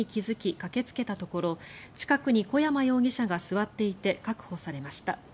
駆けつけたところ近くに小山容疑者が座っていて確保されました。